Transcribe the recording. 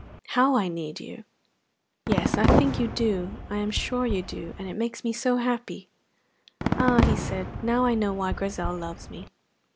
"How I need you!" "Yes, I think you do I am sure you do; and it makes me so happy." "Ah," he said, "now I know why Grizel loves me."